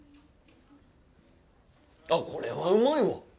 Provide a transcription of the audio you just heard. あっ、これはうまいわ。